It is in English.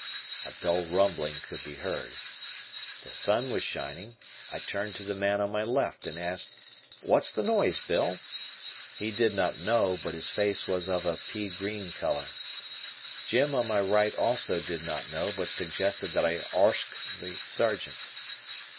A dull rumbling could be heard. The sun was shining. I turned to the man on my left and asked, '"What's the noise, Bill?" He did not know, but his face was of a pea green color. Jim on my right also did not know, but suggested that I "awsk" the Sergeant.